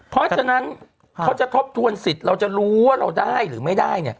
เพราะฉะนั้นเขาจะทบทวนสิทธิ์เราจะรู้ว่าเราได้หรือไม่ได้